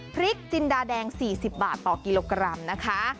พริกจินดาแดง๔๐บาทต่อกิโลกรัมนะคะ